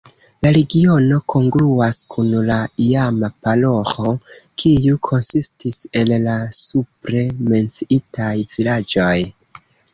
La regiono kongruas kun la iama paroĥo, kiu konsistis el la supre menciitaj vilaĝoj.